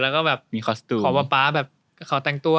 ขอป๊าแบบขอแต่งตัว